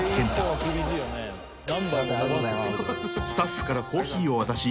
［スタッフからコーヒーを渡し］